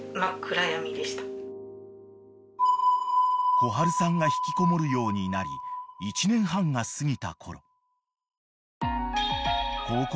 ［こはるさんが引きこもるようになり１年半が過ぎたころ］